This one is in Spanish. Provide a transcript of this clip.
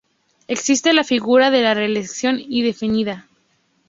Existe la figura de la reelección indefinida.